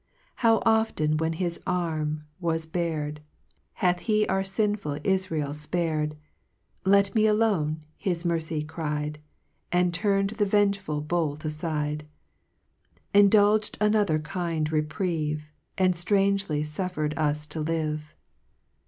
2 How often when his arm was bar'd, Ha'h he our finful Tfrael fpar'd! Let me alone, his mercy cried, And turn'd the vengeful bolt afide, \ Jndulg'd another kind reprieve, And ftrangcly fu fie red us to live.